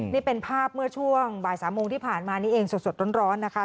นี่เป็นภาพเมื่อช่วงบ่าย๓โมงที่ผ่านมานี้เองสดร้อนนะคะ